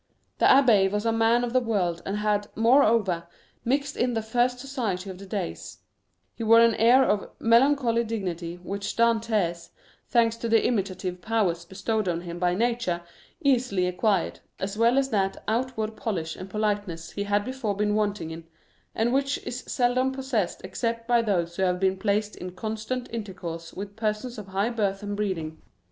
The abbé was a man of the world, and had, moreover, mixed in the first society of the day; he wore an air of melancholy dignity which Dantès, thanks to the imitative powers bestowed on him by nature, easily acquired, as well as that outward polish and politeness he had before been wanting in, and which is seldom possessed except by those who have been placed in constant intercourse with persons of high birth and breeding.